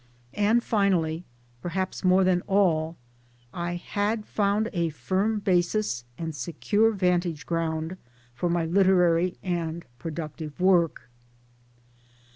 And finally, and perhaps more than all, I had found a firm basis and secure vantage ground for my literary and productive work.